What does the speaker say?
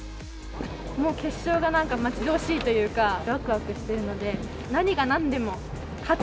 もう決勝がなんか待ち遠しいというか、わくわくしてるので、何がなんでも勝つ。